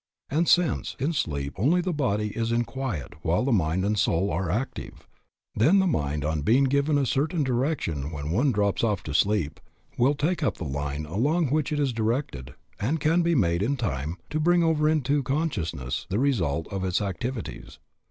And since in sleep only the body is in quiet while the mind and soul are active, then the mind on being given a certain direction when one drops off to sleep, will take up the line along which it is directed, and can be made, in time, to bring over into consciousness the results of its activities.